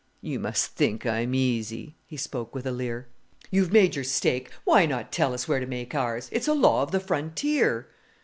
"You must think I'm easy!" He spoke with a leer. "You've made your stake, why not tell us where to make ours? It's a law of the frontier."